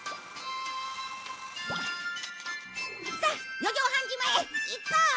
さあ四丈半島へ行こう！